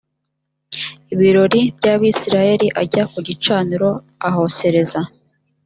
ibirori by abisirayeli ajya ku gicaniro ahosereza